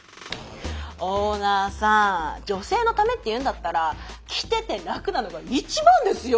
オーナーさん女性のためって言うんだったら着てて楽なのが一番ですよ。